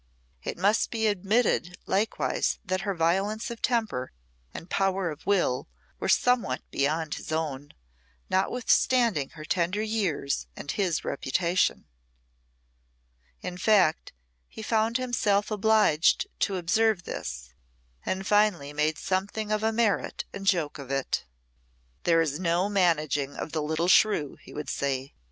It must be admitted likewise that her violence of temper and power of will were somewhat beyond his own, notwithstanding her tender years and his reputation. In fact, he found himself obliged to observe this, and finally made something of a merit and joke of it. "There is no managing of the little shrew," he would say.